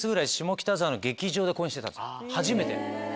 初めて。